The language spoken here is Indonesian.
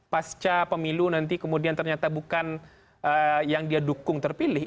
pasca pemilu nanti kemudian ternyata bukan yang dia dukung terpilih